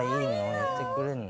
やってくれんの？